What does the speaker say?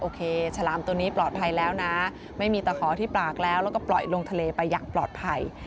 ฉลามตัวนี้ปลอดภัยแล้วนะไม่มีตะขอที่ปากแล้วแล้วก็ปล่อยลงทะเลไปอย่างปลอดภัย